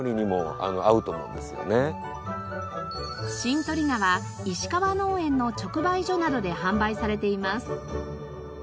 シントリ菜は石川農園の直売所などで販売されています。